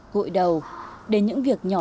gội đầu đến những việc nhỏ